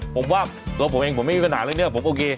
แต่ผมว่าตัวผมเองผมไม่มีปัญหาอะไรเนี่ยผมโอเค